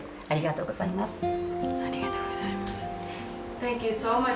ありがとうございます。